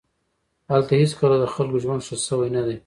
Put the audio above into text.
هلته هېڅکله د خلکو ژوند ښه شوی نه دی